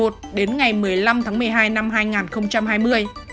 đến ngày một mươi năm tháng một mươi hai năm hai nghìn hai mươi